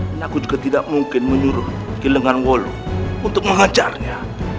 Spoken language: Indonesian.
dan aku juga tidak mungkin menyuruh kilangan wolong untuk menghajarnya